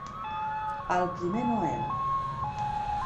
El primer Noel.